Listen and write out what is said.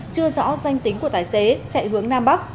chưa rõ danh tính của tài xế chạy hướng nam bắc